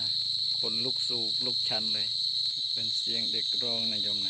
ให้เขานะคนลูกสูงลูกชันเลยเป็นเสียงเด็กร่องนายมน่ะ